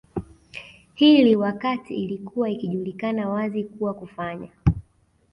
hili wakati ilikuwa ikijulikana wazi kuwa kufanya